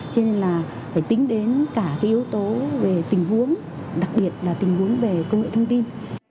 cho nên là phải tính đến cả cái yếu tố về tình huống đặc biệt là tình huống về công nghệ thông tin